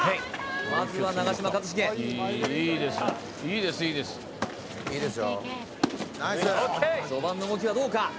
まずは長嶋一茂序盤の動きはどうか？